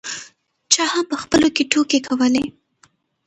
چا هم په خپلو کې ټوکې کولې.